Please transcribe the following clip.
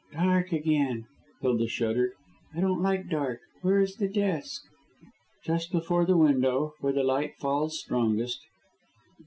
"Dark again!" Hilda shuddered. "I don't like dark. Where is the desk?" "Just before the window, where the light falls strongest."